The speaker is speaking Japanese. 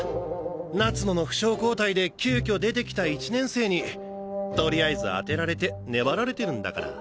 夏野の負傷交代で急きょ出てきた１年生にとりあえず当てられて粘られてるんだから。